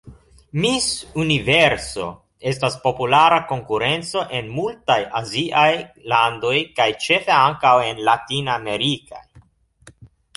Miss Universo estas populara konkurenco en multaj aziaj landoj kaj ĉefe ankaŭ en latinamerikaj.